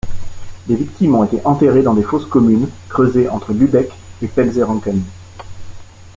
Les victimes ont été enterrées dans des fosses communes creusées entre Lübeck et Pelzerhaken.